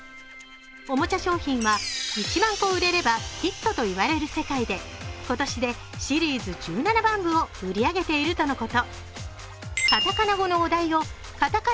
おもちゃ商品は１万個売れればヒットと言われる世界で今年でシリーズ１７万部を売り上げているとのこと。